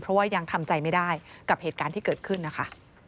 เพราะว่ายังทำใจไม่ได้กับเหตุการณ์ที่เกิดขึ้นนะคะ